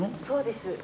そうです。